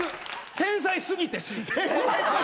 天才過ぎてＣ。